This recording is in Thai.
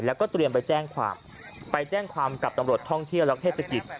แล้วก็เตรียมไปแจ้งความไปแจ้งความกับตำรวจท่องเที่ยวและเทศกิจ